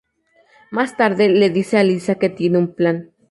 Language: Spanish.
Más tarde le dice a Liza que tiene un plan.